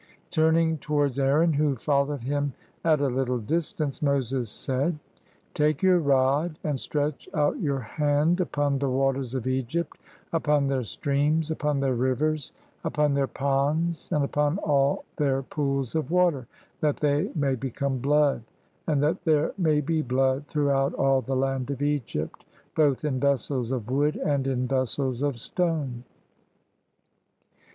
Turning towards Aaron, who followed him at a little distance, Moses said, — "Take your rod, and stretch out your hand upon the waters of Egypt, upon their streams, upon their rivers, upon their ponds, and upon all their pools of water, that they may become blood; and that there may be blood throughout all the land of Egypt, both in vessels of wood and in vessels of stone."